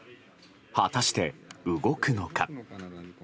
果たして、動くのか。